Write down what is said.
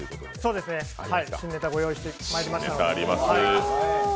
そうですね、ネタご用意してまいりました。